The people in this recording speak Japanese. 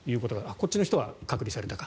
こっちの人は隔離されたか。